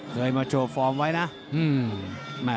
เคยมาโชว์ฟอร์มไว้นะ